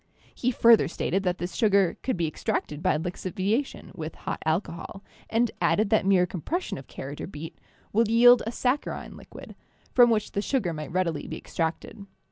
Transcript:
He further stated that this sugar could be ex tracted by lixiviation with hot alcohol, and added that mere compression of carrot or beet would yield a sac charine liquid, from which the sugar might readily be extracted.